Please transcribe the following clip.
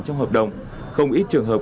trong hợp đồng không ít trường hợp